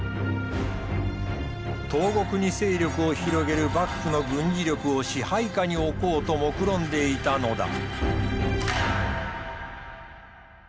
東国に勢力を広げる幕府の軍事力を支配下に置こうともくろんでいたのだ。